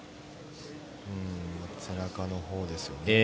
背中のほうですよね。